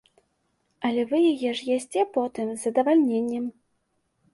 Але вы яе ж ясце потым з задавальненнем.